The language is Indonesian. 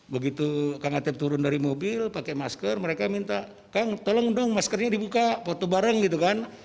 begitu kang atep turun dari mobil pakai masker mereka minta kang tolong dong maskernya dibuka foto bareng gitu kan